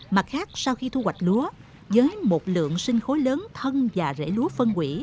mặt khác sau khi thu hoạch lúa với một lượng sinh khối lớn thân và trung bình